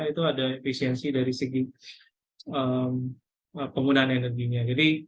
itu ada efisiensi dari segi penggunaan energinya